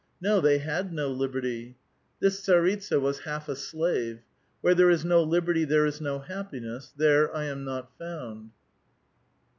No, they had no liberty. This tsaritsa was half a slave. Where there is no liberty there is no happiness, there I am not found.